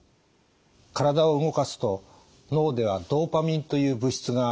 体を動かすと脳ではドパミンという物質が放出されます。